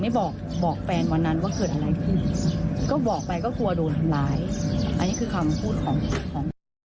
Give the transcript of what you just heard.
ทางเราเองก็เลยบอกว่าไม่ต้องกลัว